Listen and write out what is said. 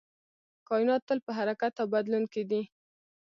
کائنات تل په حرکت او بدلون کې دی.